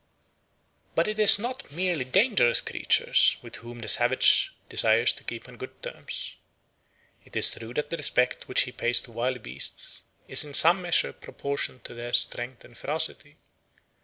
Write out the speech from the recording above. But it is not merely dangerous creatures with whom the savage desires to keep on good terms. It is true that the respect which he pays to wild beasts is in some measure proportioned to their strength and ferocity.